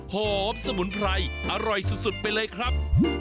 สมุนไพรอร่อยสุดไปเลยครับ